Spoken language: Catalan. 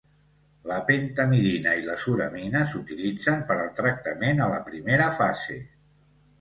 La pentamidina i la suramina s"utilitzen per al tractament a la primera fase.